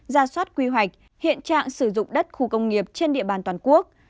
ra soát quy hoạch hiện trạng sử dụng đất khu công nghiệp trên địa bàn toàn quốc